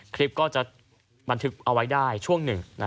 คลิปก็จะบันทึกเอาไว้ได้ช่วงหนึ่ง